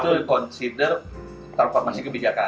itu consider transformasi kebijakan